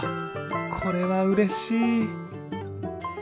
これはうれしい！